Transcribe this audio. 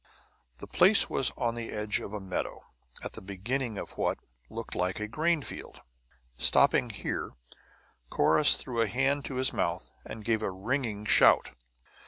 The place was on the edge of a meadow, at the beginning of what looked like a grain field. Stopping here, Corrus threw a hand to his mouth and gave a ringing shout.